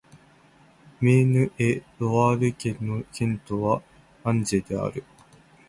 メーヌ＝エ＝ロワール県の県都はアンジェである